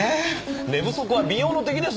寝不足は美容の敵です！